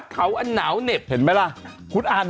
เขาบอกรายการ